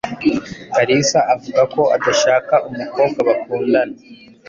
Kalisa avuga ko adashaka umukobwa bakundana.